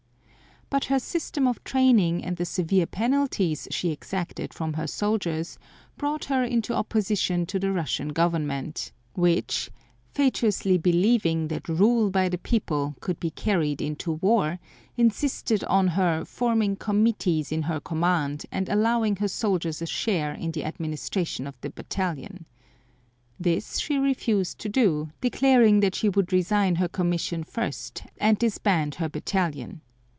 But her system of training and the severe penalties she exacted from her soldiers brought her into opposition to the Russian Government, which, fatuously believing that rule by the people could be carried into war, insisted on her forming committees in her command and allowing her soldiers a share in the administration of the battalion. This she refused to do, declaring that she would resign her commission first and disband her battalion.